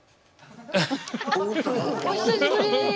お久しぶり。